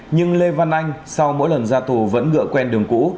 nhưng lê văn anh sau mỗi lần ra tù vẫn ngựa quen đường cũ